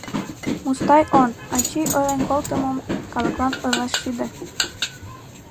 — Мустай он, ачий ойлен колтымым калыклан ойлаш шӱдӧ!